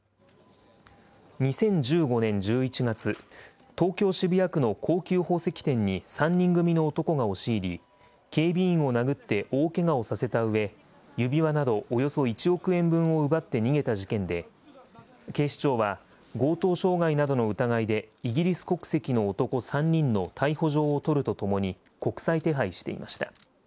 ２０１５年１１月、東京・渋谷区の高級宝石店に３人組の男が押し入り、警備員を殴って大けがをさせたうえ、指輪などおよそ１億円分を奪って逃げた事件で、警視庁は、強盗傷害などの疑いで、イギリス国籍の男３人の逮捕状を取るとともに、国際手配していました。